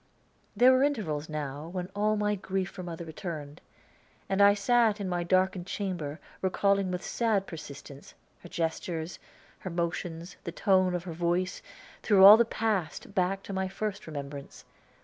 There were intervals now when all my grief for mother returned, and I sat in my darkened chamber, recalling with a sad persistence her gestures, her motions, the tones of her voice, through all the past back to my first remembrance.